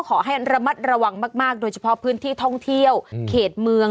ขอให้ระมัดระวังมากโดยเฉพาะพื้นที่ท่องเที่ยวเขตเมือง